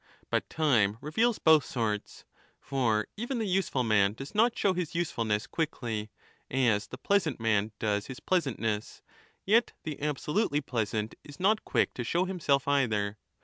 But time reveals both sorts ; for even the useful man does not show his usefulness quickly, as the pleasant man does his pleasantness ; yet the absolutely pleasant is not quick to show himself either.